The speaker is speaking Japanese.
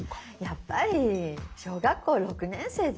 やっぱり小学校６年生で。